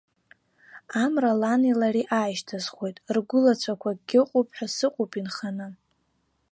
Амра лани лареи аашьҭысхуеит, ргәылацәақәакгьы ыҟоуп ҳәа сыҟоуп инханы.